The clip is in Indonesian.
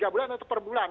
tiga bulan atau per bulan